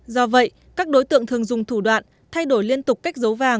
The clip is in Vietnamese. do vậy các đối tượng thường dùng thủ đoạn thay đổi liên tục cách giấu vàng